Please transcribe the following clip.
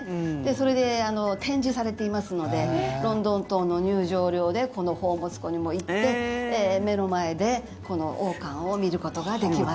それで展示されていますのでロンドン塔の入場料でこの宝物庫にも行って目の前でこの王冠を見ることができます。